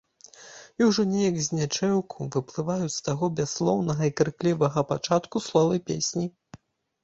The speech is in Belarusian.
І ўжо неяк знячэўку выплываюць з таго бясслоўнага і крыклівага пачатку словы песні.